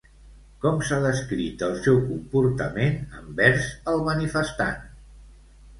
Com s'ha descrit el seu comportament envers el manifestant?